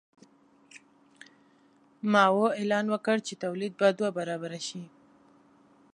ماوو اعلان وکړ چې تولید به دوه برابره شي.